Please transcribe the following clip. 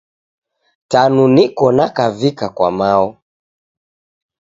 Tanu niko nakavika kwa mao.